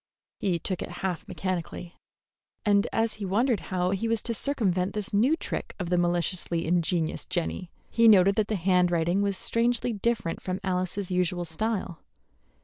He took it half mechanically, and as he wondered how he was to circumvent this new trick of the maliciously ingenious Jenny, he noted that the handwriting was strangely different from Alice's usual style.